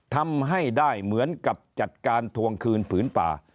ทำให้ได้เหมือนกับจัดการทวงคืนผืนป่า